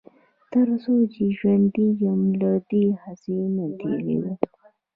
تر څو چې ژوندی يم له دې هڅې نه تېرېږم.